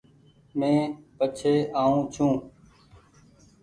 مينٚ پڇي آئو ڇوٚنٚ